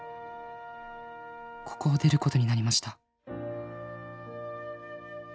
「ここを出ることになりました」